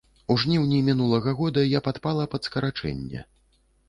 У жніўні мінулага года я падпала пад скарачэнне.